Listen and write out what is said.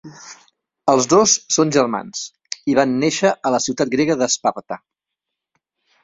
Els dos són germans i van néixer a la ciutat grega d'Esparta.